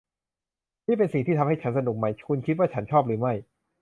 นี่เป็นสิ่งที่ทำให้ฉันสนุกไหม ? คุณคิดว่าฉันชอบหรือไม่